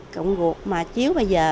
cộng ruột mà chiếu bây giờ